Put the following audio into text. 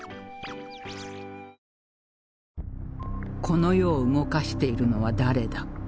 この世を動かしているのは誰だ？